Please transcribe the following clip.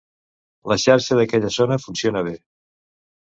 La xarxa d'aquella zona funciona bé.